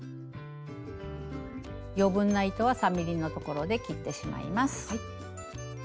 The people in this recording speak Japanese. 余分な糸は３ｍｍのところで切ってしまいます。